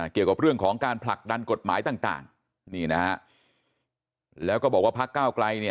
เกี่ยวกับเรื่องของการผลักดันกฎหมายต่างแล้วก็บอกว่าภักดิ์เก้าไกล